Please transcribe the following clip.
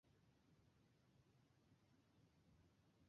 ভূমিকামূলক খেলায় সাধারণত নির্দিষ্ট কোনো লক্ষ্য থাকে না।